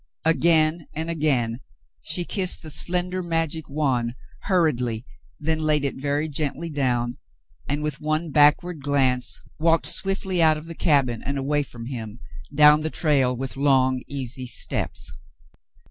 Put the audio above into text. Again and again she kissed the slender, magic wand, hurriedly, then laid it very gently down and with one backward glance walked swiftly out of the cabin and away from him, down the trail, with long, easy steps.